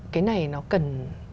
cái này nó cần